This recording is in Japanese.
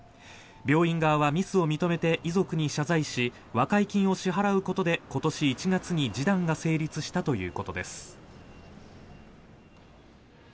病院側はミスを認めて遺族に謝罪し和解金を支払うことで今年１月に示談が成立したということです。